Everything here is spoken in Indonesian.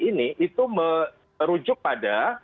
ini itu merujuk pada